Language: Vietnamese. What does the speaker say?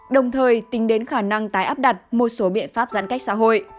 đồng thời tính đến khả năng tái áp đặt một số biện pháp giãn cách xã hội